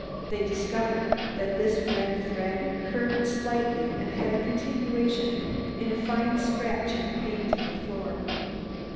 They discovered that this red thread curved slightly and had a continuation in a fine scratch in the paint of the floor.